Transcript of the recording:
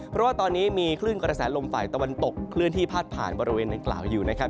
เพราะว่าตอนนี้มีคลื่นกระแสลมฝ่ายตะวันตกเคลื่อนที่พาดผ่านบริเวณดังกล่าวอยู่นะครับ